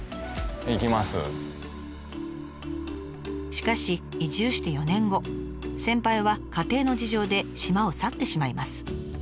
しかし移住して４年後先輩は家庭の事情で島を去ってしまいます。